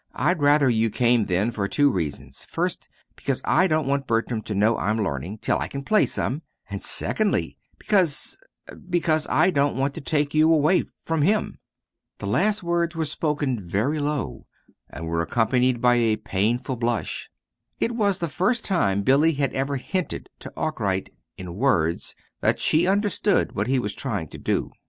I'd rather you came then for two reasons: first, because I don't want Bertram to know I'm learning, till I can play some; and, secondly, because because I don't want to take you away from him." The last words were spoken very low, and were accompanied by a painful blush. It was the first time Billy had ever hinted to Arkwright, in words, that she understood what he was trying to do.